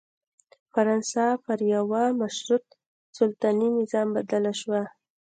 فرانسه پر یوه مشروط سلطنتي نظام بدله شوه.